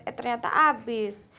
eh ternyata abis